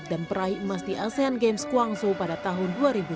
dan peraih emas di asean games guangzhou pada tahun dua ribu sepuluh